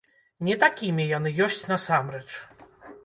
Не такімі яны ёсць насамрэч.